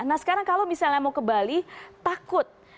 nah sekarang kalau misalnya mau ke bali takut